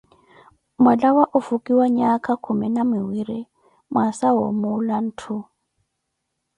Mwalawa ofukiwa nyaaka khumi na miwiri, mwaasa wa omuula ntthu.